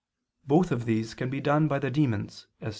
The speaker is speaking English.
Both of these can be done by the demons, as stated above (A.